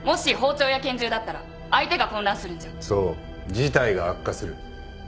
事態が悪化する。